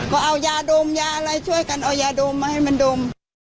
ก็เอายาดมยาอะไรช่วยกันเอายาดมมาให้มันดม